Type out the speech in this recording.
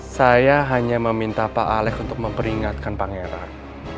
saya hanya meminta pak alex untuk memperingatkan pangeran